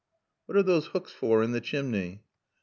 "What are those hooks for in the chimney?"